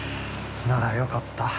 ならよかった。